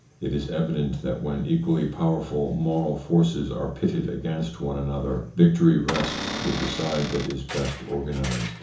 It is evident that when equally powerful moral forces are pitted against one another, victory rests with the side that is best organised.